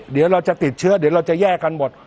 เดี๋ยวเราจะติดเชื้อเดี๋ยวเราจะแย่กันหมด